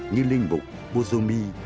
như linh mục bùa dô mi